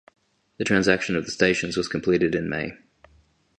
The transaction of the stations was completed in May.